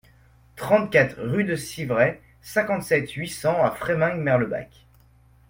trente-quatre rue de Civray, cinquante-sept, huit cents à Freyming-Merlebach